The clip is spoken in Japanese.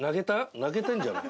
泣けてるんじゃない？